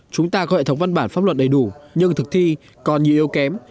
chúng ta có hệ thống văn bản pháp luật đầy đủ nhưng thực thi còn nhiều yếu kém